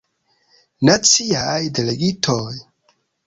Naciaj Delegitoj.